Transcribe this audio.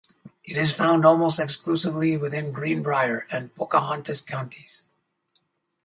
It is found almost exclusively within Greenbrier and Pocahontas counties.